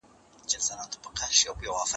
زه به سبا د نوي لغتونو يادوم!